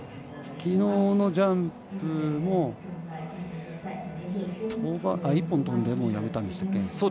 きのうのジャンプも１本飛んでもうやめたんでしたっけ。